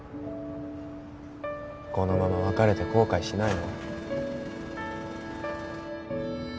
このまま別れて後悔しないの？